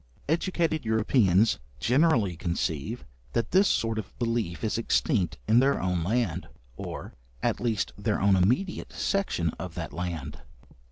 Educated Europeans generally conceive that this sort of belief is extinct in their own land, or, at least their own immediate section of that land.